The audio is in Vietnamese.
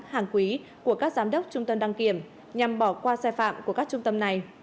hàng quý của các giám đốc trung tâm đăng kiểm nhằm bỏ qua xe phạm của các trung tâm này